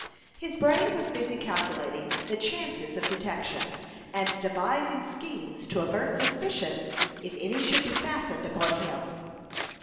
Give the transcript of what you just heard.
His brain was busy calculating the chances of detection, and devising schemes to avert suspicion if any should be fastened upon him.